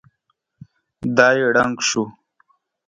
دی ړنګ شو.